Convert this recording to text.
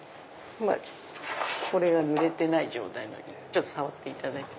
これぬれてない状態のを触っていただいて。